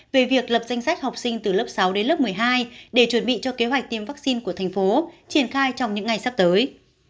về việc lập danh sách học sinh từ lớp sáu đến lớp một mươi hai để chuẩn bị cho kế hoạch tiêm vaccine của thành phố triển khai trong những ngày sắp tới